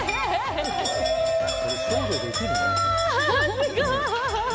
すごーい。